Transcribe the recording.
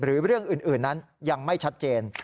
เรื่องอื่นนั้นยังไม่ชัดเจน